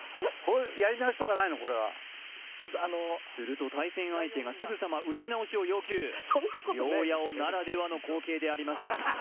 ちょっとあのすると対戦相手がすぐさま打ち直しを要求両ヤオならではの光景であります